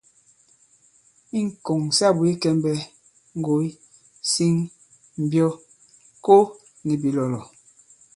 I ŋ̀kɔ̀ŋ sa bwě kɛmbɛ, ŋgòy, siŋ, mbyɔ, ko nì bìlɔ̀lɔ̀.